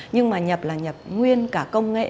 nhưng mà nhập là nhập nguyên cả công nghệ